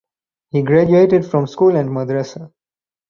He graduated from school and madrasa.